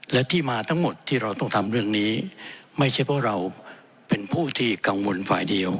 และที่มาทั้งหมดที่เราต้องทำเรื่องนี้ไม่ใช่เพราะเราเป็นผู้ที่กังวลฝ่ายเดียว